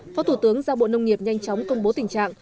phó thủ tướng giao bộ nông nghiệp nhanh chóng công bố tình trạng